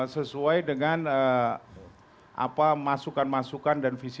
sesuai dengan masukan masukan dan visi